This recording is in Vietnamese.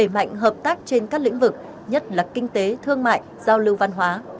mạnh hợp tác trên các lĩnh vực nhất là kinh tế thương mại giao lưu văn hóa